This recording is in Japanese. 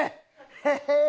ヘヘ！